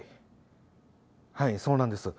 はいそうなんです。